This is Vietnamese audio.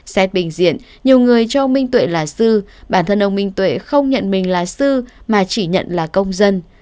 xét bình diện nhiều người cho minh tuệ là sư bản thân ông minh tuệ không nhận mình là sư mà chỉ nhận là công dân